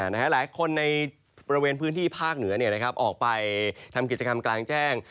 หลายคนในบริเวณพื้นที่ภาคเหนือออกไปทำกิจกรรมกลางแจ้ง